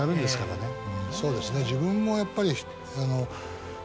そうですね自分もやっぱり。